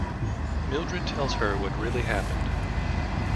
Mildred tells her what really happened.